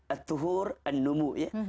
a'tuhur an numu ya